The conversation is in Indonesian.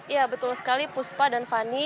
ya betul sekali puspa dan fani